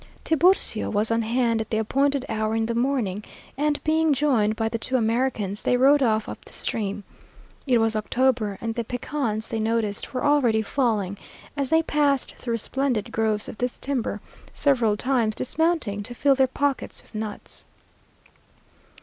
Tiburcio was on hand at the appointed hour in the morning, and being joined by the two Americans they rode off up the stream. It was October, and the pecans, they noticed, were already falling, as they passed through splendid groves of this timber, several times dismounting to fill their pockets with nuts.